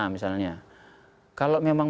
misalnya kalau memang